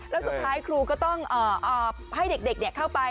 แล้วสุดท้ายครูก็ต้องให้เด็กเข้าไป